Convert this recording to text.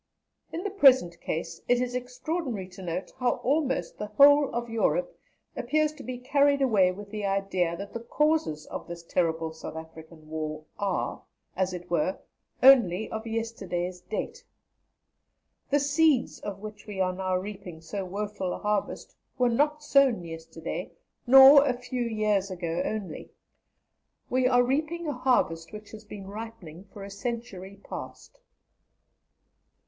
In the present case it is extraordinary to note how almost the whole of Europe appears to be carried away with the idea that the causes of this terrible South African war are, as it were, only of yesterday's date. The seeds of which we are reaping so woeful a harvest were not sown yesterday, nor a few years ago only. We are reaping a harvest which has been ripening for a century past.